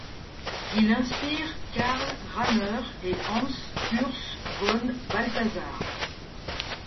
Il inspire Karl Rahner et Hans Urs von Balthasar.